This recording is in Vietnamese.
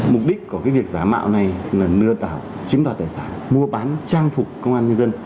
mục đích của việc giả mạo này là lừa đảo chiếm đoạt tài sản mua bán trang phục công an nhân dân